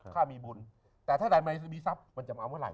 ถ้ามีบุญแต่ถ้าใดไม่มีทรัพย์มันจะมาเมื่อไห